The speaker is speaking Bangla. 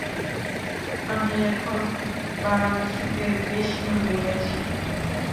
আমি এখন বারাণসীতে বেশ ভালই আছি।